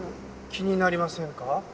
気になりませんか？